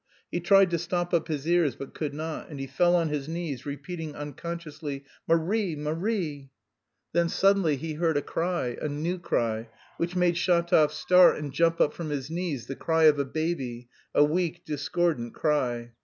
He tried to stop up his ears, but could not, and he fell on his knees, repeating unconsciously, "Marie, Marie!" Then suddenly he heard a cry, a new cry, which made Shatov start and jump up from his knees, the cry of a baby, a weak discordant cry.